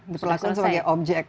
dipelakukan sebagai objek